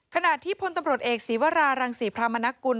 ขณะที่พลตำรวจเอกศีวรารังศรีพรามนกุล